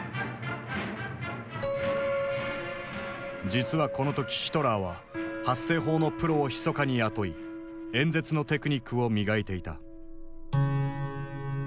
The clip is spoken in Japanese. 実はこの時ヒトラーは発声法のプロをひそかに雇い演説のテクニックを磨いていた。